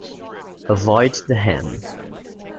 Avoid the ham.